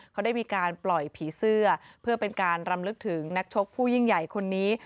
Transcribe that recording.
เขาได้มีการปล่อยผีเสื้อเพื่อเป็นการรำลึกถึงนักชกผู้ยิ่งใหญ่คนนี้